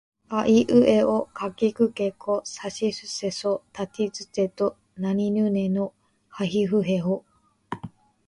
あいうえおかきくけこさしすせそたちつてとなにぬねのはひふへほ